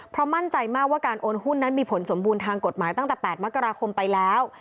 เพราะมั่นใจมากว่าการโอนหุ้นนั้นมีผลสมบูรณ์ทางกฎหมายตั้งแต่๘มกราคมไปแล้ว